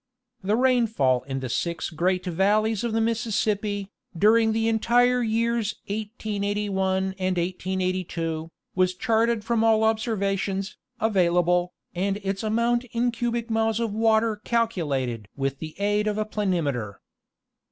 The rainfall in the six great valleys of the Mississippi, during the entire years 1881 and 1882, was charted from all observations available, and its amount in cubic miles of water calculated with the aid of a planimeter.